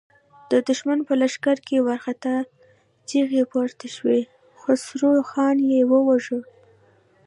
د دښمن په لښکر کې وارخطا چيغې پورته شوې: خسرو خان يې وواژه!